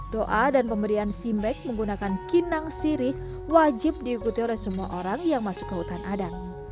doa dan pemberian simbek menggunakan kinang sirih wajib diikuti oleh semua orang yang masuk ke hutan adat